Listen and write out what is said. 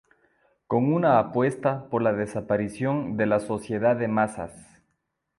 Con una apuesta por la desaparición de la sociedad de masas.